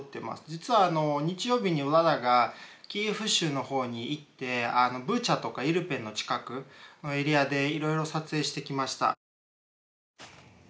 実は日曜日にヴラダがキーフ州の方に行ってブチャとかイルペンの近くのエリアでいろいろ撮影してきました。